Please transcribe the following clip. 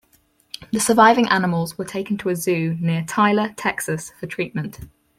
The surviving animals were taken to a zoo near Tyler, Texas for treatment.